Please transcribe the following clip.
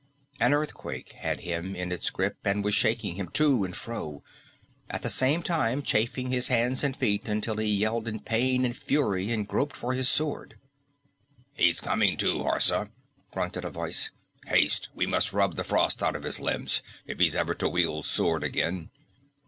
An earthquake had him in its grip and was shaking him to and fro, at the same time chafing his hands and feet until he yelled in pain and fury and groped for his sword. "He's coming to, Horsa," grunted a voice. "Haste we must rub the frost out of his limbs, if he's ever to wield sword again."